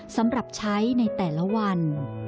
สำหรับใช้ในแต่ละวัน